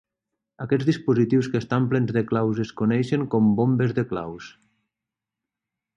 Aquests dispositius que estan plens de claus es coneixen com "bombes de claus".